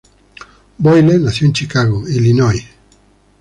Boyle nació en Chicago, Illinois.